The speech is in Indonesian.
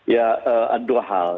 ya ada dua hal